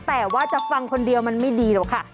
แต่ว่าจะฟังคนเดียวมันไม่ดีหรอกค่ะ